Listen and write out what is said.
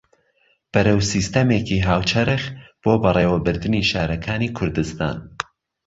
بەرەو سیستەمێکی هاوچەرخ بۆ بەڕێوەبردنی شارەکانی کوردستان